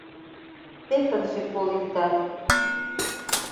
Тек ынже кол иктат.